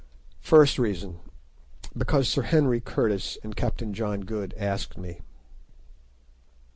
First reason: Because Sir Henry Curtis and Captain John Good asked me.